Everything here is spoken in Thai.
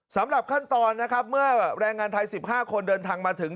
สำหรับขั้นตอนนะครับเมื่อแรงงานไทย๑๕คนเดินทางมาถึง